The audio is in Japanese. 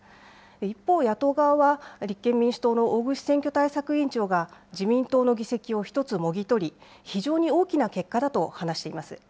一方、野党側は、立憲民主党の大串選挙対策委員長が自民党の議席を１つもぎ取り、非常に大きな結果だと話しています。